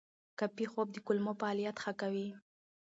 کافي خوب د کولمو فعالیت ښه کوي.